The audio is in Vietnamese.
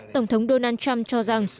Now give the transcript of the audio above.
tổng thống donald trump cho rằng